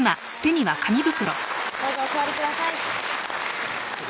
どうぞお座りください